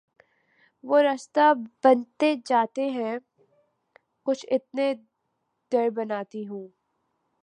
وہ رستہ بنتے جاتے ہیں کچھ اتنے در بناتی ہوں